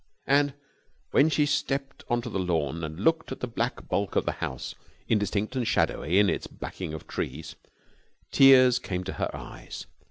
And, when she stepped on to the lawn and looked at the black bulk of the house, indistinct and shadowy with its backing of trees, tears came into her eyes.